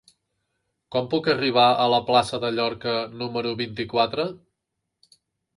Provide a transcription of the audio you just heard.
Com puc arribar a la plaça de Llorca número vint-i-quatre?